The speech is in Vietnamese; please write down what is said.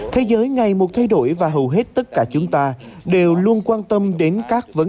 thế giới ngày một thay đổi và hầu hết tất cả chúng ta đều luôn quan tâm đến các vấn